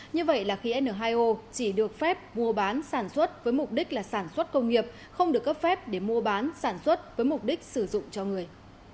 như vậy là khí n hai o chỉ được phép mua bán sản xuất với mục đích là sản xuất công nghiệp không được cấp phép để mua bán sản xuất với mục đích sử dụng cho người